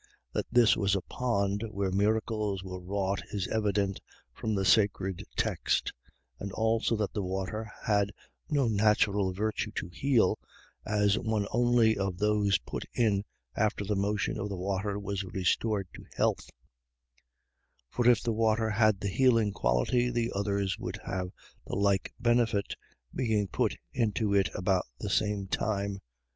That this was a pond where miracles were wrought is evident from the sacred text; and also that the water had no natural virtue to heal, as one only of those put in after the motion of the water was restored to health; for if the water had the healing quality, the others would have the like benefit, being put into it about the same time.